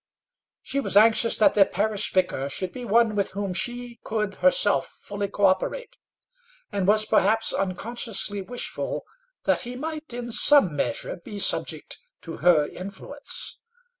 She was anxious that the parish vicar should be one with whom she could herself fully co operate, and was perhaps unconsciously wishful that he might in some measure be subject to her influence.